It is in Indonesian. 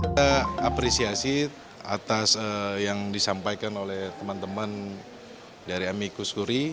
kita apresiasi atas yang disampaikan oleh teman teman dari amikus kuri